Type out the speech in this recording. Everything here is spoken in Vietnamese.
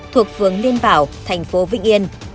thuộc phường liên bảo thành phố vĩnh yên